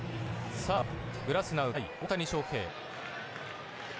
さあグラスナウ対大谷翔平。